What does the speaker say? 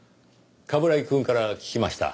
冠城くんから聞きました。